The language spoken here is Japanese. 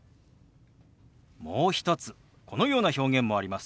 もう一つこのような表現もあります。